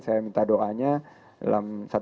saya minta doanya dalam